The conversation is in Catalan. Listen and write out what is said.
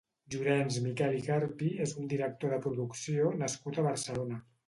Llorenç Miquel i Carpi és un director de producció nascut a Barcelona.